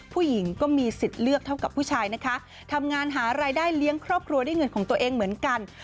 ผู้หญิงก็มีสิทธิ์เลือกเท่ากับผู้ชายนะคะทำงานหารายได้เลี้ยงครอบครัวด้วยเงินของตัวเองเหมือนกัน